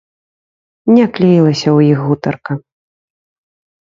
Не клеілася ў іх гутарка.